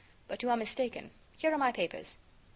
But you are mistaken. Here are my papers."